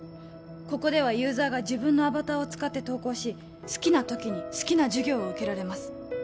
ここではユーザーが自分のアバターを使って登校し好きな時に好きな授業を受けられます